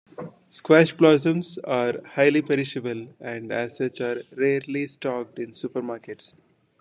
Squash blossoms are highly perishable, and as such are rarely stocked in supermarkets.